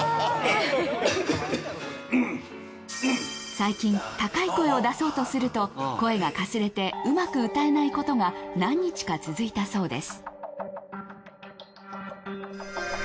最近高い声を出そうとすると声がかすれてうまく歌えないことが何日か続いたそうです